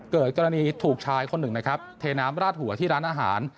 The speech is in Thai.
เกิดกรณีถูกชายคนหนึ่งนะครับเทน้ำราดหัวที่ร้านอาหาร